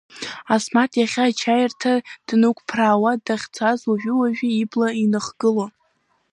Асмаҭ иахьа ачаирҭа дықәԥраа дахьцаз уажәы-уажәы ибла иныхгылон.